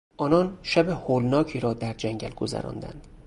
آنان شب هولناکی را در جنگل گذراندند.